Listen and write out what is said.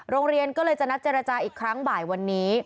โรงเรียนก็เลยจะนัดเจรจาอีกครั้งบ่ายวันนี้